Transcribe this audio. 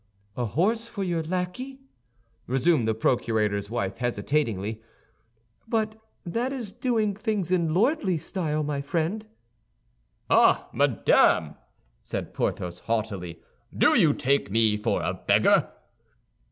"A horse for your lackey?" resumed the procurator's wife, hesitatingly; "but that is doing things in lordly style, my friend." "Ah, madame!" said Porthos, haughtily; "do you take me for a beggar?"